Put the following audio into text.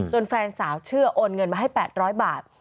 แฟนสาวเชื่อโอนเงินมาให้๘๐๐บาท